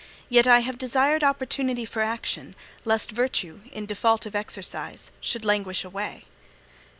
Yet I have desired opportunity for action, lest virtue, in default of exercise, should languish away.'